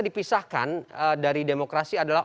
dipisahkan dari demokrasi adalah